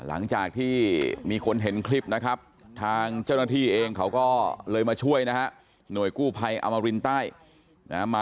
หลังจากที่มีคนเห็นคลิปนะครับ